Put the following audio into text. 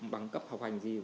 bằng cấp học hành gì